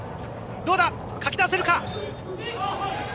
どうだ、かき出せるか。